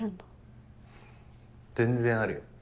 全然あるよ。